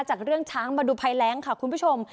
จากเรื่องช้างมาดูภัยแรงค่ะคุณผู้ชม